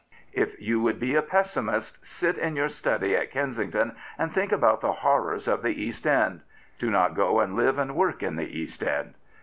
If you would be a pessimist, sit in your study at Kensington and think about the horrors of the East End. Do not go and live and work in the East End.